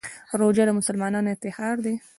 روژه د مسلمانانو افتخار دی.